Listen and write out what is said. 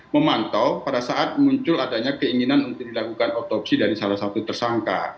memantau pada saat muncul adanya keinginan untuk dilakukan otopsi dari salah satu tersangka